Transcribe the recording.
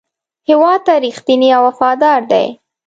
هېواد ته رښتینی او وفادار دی.